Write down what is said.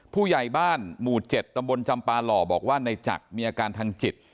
ผู้ใหญ่บ้านหมู่๗ตำบลจำปาหล่อบอกว่าในจักรมีอาการทางจิต